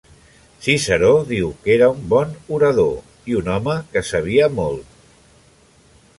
Ciceró diu que era un bon orador i un home que sabia molt.